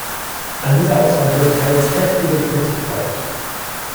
An dieser Auswahl wurde teils heftige Kritik laut.